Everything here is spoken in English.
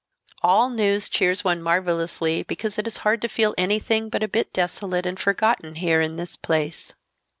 "All news cheers one marvelously because it is hard to feel anything but a bit desolate and forgotten here in this place.